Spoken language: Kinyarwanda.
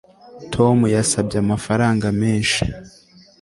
tom yasabye amafaranga menshi